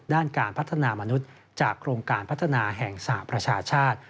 ด้านการพัฒนามนุษย์จากโครงการพัฒนาแห่งสหประชาชาติ